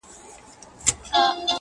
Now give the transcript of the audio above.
سلا کار به د پاچا او د امیر یې٫